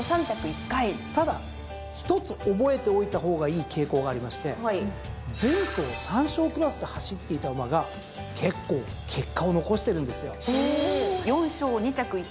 ただ１つ覚えておいた方がいい傾向がありまして前走３勝クラスで走っていた馬が結構結果を残してるんですよ。